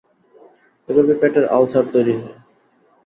এভাবে পেটের আলসার তৈরি হয়।